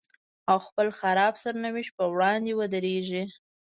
او خپل خراب سرنوشت په وړاندې ودرېږي.